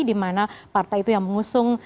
di mana partai itu yang mengusung